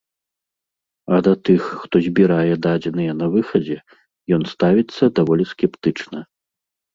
А да тых, хто збірае дадзеныя на выхадзе, ён ставіцца даволі скептычна.